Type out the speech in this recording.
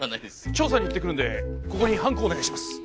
調査に行ってくるんでここにハンコお願いします